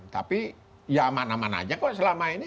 tapi ya aman aman aja kok selama ini